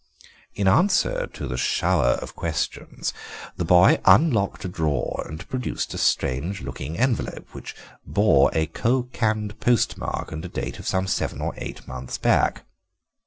"In answer to the shower of questions the boy unlocked a drawer and produced a strange looking envelope, which bore a Khokand postmark, and a date of some seven or eight months back.